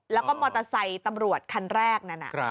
แล้วก็มอเตอร์ไซค์ตำรวจคันแรกนั้น